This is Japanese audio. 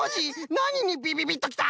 なににビビビッときた？